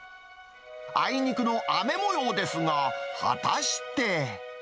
あいにくの雨もようですが、果たして。